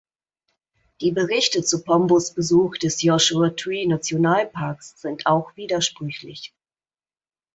Die Berichte zu Pombos Besuch des Joshua-Tree-Nationalparks sind auch widersprüchlich.